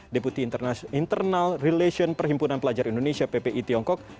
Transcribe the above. deputi internal relation perhimpunan pelajar indonesia ppi tiongkok